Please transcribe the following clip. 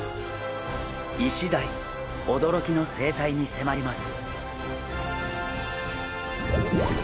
イシダイおどろきの生態にせまります！